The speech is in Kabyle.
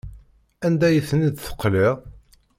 Anda ay ten-id-teqliḍ?